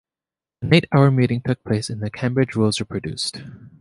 An eight-hour meeting took place, and the Cambridge rules were produced.